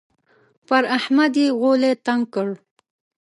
پر احمد يې غولی تنګ کړ.